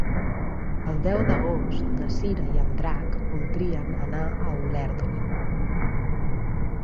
El deu d'agost na Cira i en Drac voldrien anar a Olèrdola.